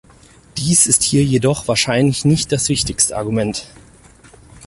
Dies ist hier jedoch wahrscheinlich nicht das wichtigste Argument.